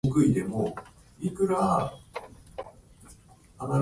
十六の、内気な妹と二人暮しだ。